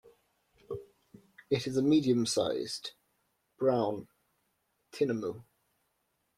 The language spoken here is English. It is a medium-sized, brown tinamou.